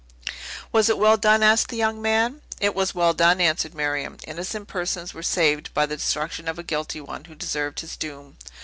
"Was it well done?" asked the young man. "It was well done," answered Miriam; "innocent persons were saved by the destruction of a guilty one, who deserved his doom."